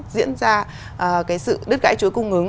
diễn ra cái sự đứt gãy chuối cung ứng